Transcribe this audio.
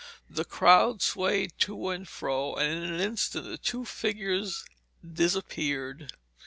The crowd swayed to and fro, and in an instant the two figures disappeared.